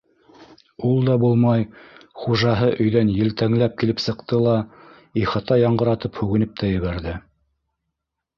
Ул да булмай, хужаһы өйҙән елтәңләп килеп сыҡты ла, ихата яңғыратып һүгенеп тә ебәрҙе.